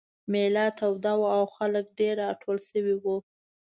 مېله توده وه او خلک ډېر راټول شوي وو.